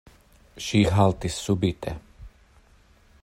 Ŝi haltis subite.